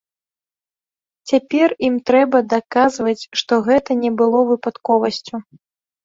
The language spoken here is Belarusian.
Цяпер ім трэба даказваць, што гэта не было выпадковасцю.